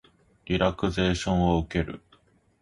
リラクゼーションを受ける